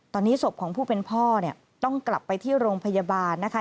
ตอนนี้ศพของผู้เป็นพ่อเนี่ยต้องกลับไปที่โรงพยาบาลนะคะ